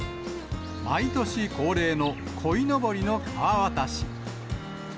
毎年恒例のこいのぼりの川渡し。